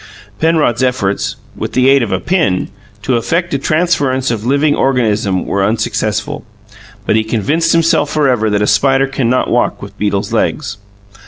Penrod's efforts with the aid of a pin to effect a transference of living organism were unsuccessful; but he convinced himself forever that a spider cannot walk with a beetle's legs.